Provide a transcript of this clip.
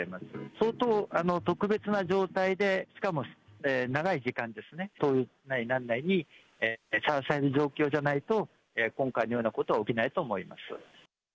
相当特別な状態で、しかも長い時間ですね、灯油なりなんなりにさらされる状況じゃないと、今回のようなことは起きないと思います。